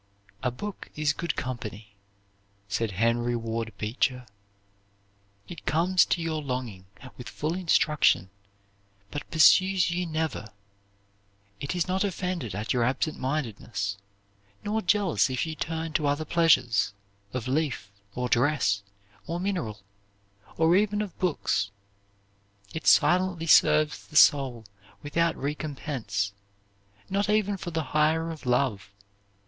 "A book is good company," said Henry Ward Beecher. "It comes to your longing with full instruction, but pursues you never. It is not offended at your absent mindedness, nor jealous if you turn to other pleasures, of leaf, or dress, or mineral, or even of books. It silently serves the soul without recompense, not even for the hire of love.